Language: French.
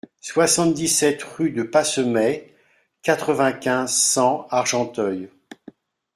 soixante-dix-sept rue de Passemay, quatre-vingt-quinze, cent, Argenteuil